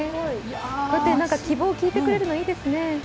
こうやって希望を聞いてくれるの、いいですね。